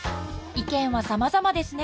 意見はさまざまですね。